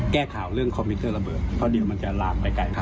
แก้ข่าวเรื่องคอมพิวเตอร์ระเบิดเพราะเดี๋ยวมันจะลามไปไกล